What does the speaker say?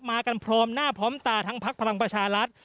กันพร้อมหน้าพร้อมตาทั้งพักพลังประชารัฐ